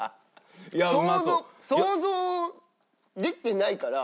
想像想像できてないから。